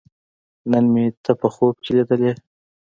نن مې ته په خوب کې لیدلې